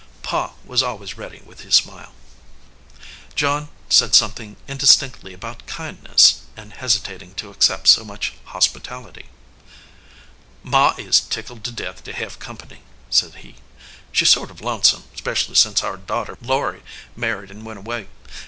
Pa was always ready with his smile. John said something indistinctly about kindness and hesitating to accept so much hospitality. "Ma is tickled to death to hev comp ny," said he. "She s sort of lonesome, specially sence our daughter Laury married an went away.